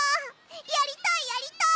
やりたいやりたい！